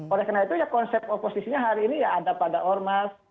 oleh karena itu ya konsep oposisinya hari ini ya ada pada ormas